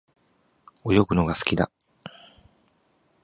泳ぐのが好きだ。